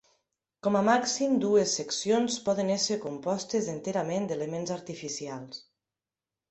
Com a màxim dues seccions poden ésser compostes enterament d'elements artificials.